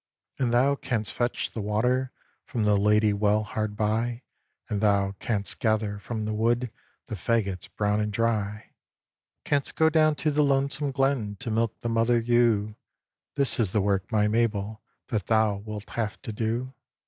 "And thou canst fetch the water From the Lady well hard by, And thou canst gather from the wood The fagots brown and dry; "Canst go down to the lonesome glen, To milk the mother ewe; This is the work, my Mabel, That thou wilt have to do.